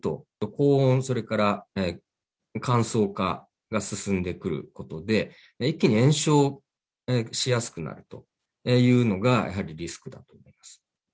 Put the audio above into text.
高温、それから乾燥化が進んでくることで、一気に延焼しやすくなるというのが、やはりリスクだと思います。